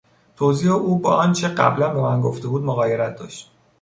توضیح او با آنچه قبلا به من گفته بود مغایرت داشت.